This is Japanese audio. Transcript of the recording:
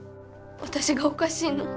私がおかしいの？